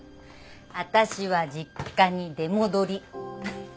私は実家に出戻り。